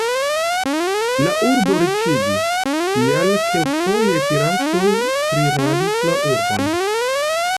La urbo riĉiĝis, tial kelkfoje piratoj prirabis la urbon.